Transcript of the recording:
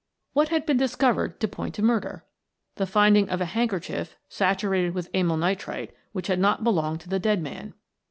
What had been discovered to point to murder? The finding of a handkerchief, saturated with amyl nitrite, which had not belonged to the dead man.